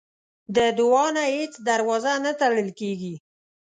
د دعا نه هیڅ دروازه نه تړل کېږي.